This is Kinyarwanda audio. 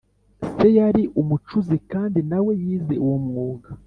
Se yari umucuzi, kandi nawe yize uwo mwuga